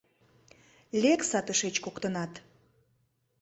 Лекса тышеч коктынат!